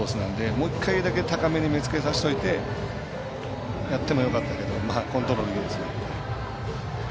もう１回だけ高めに目つけさせといてやってもよかったけどコントロールいいですね。